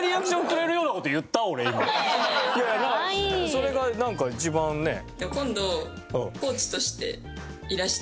それがなんか一番ねえ。